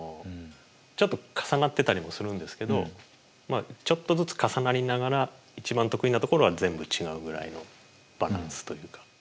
ちょっと重なってたりもするんですけどちょっとずつ重なりながら一番得意なところは全部違うぐらいのバランスというか。